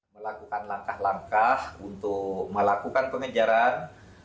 melakukan langkah langkah untuk melakukan pengejaran